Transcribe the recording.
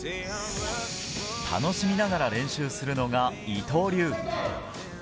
楽しみながら練習するのが伊東流。